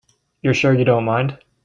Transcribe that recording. You're sure you don't mind?